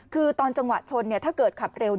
คือตอนจังหวะชนถ้าเกิดขับเร็ว